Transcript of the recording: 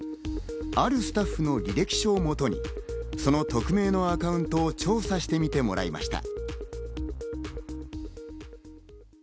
あるスタッフの履歴書をもとに、その匿名のアカウントを調査してもらいました。